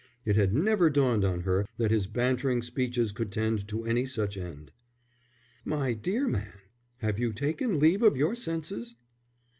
It had never dawned on her that his bantering speeches could tend to any such end. "My dear man, have you taken leave of your senses?"